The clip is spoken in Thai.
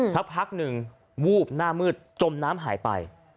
สักพักหนึ่งวูบหน้ามืดจมน้ำหายไป